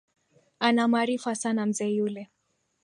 Ana maarifa sana mzee yule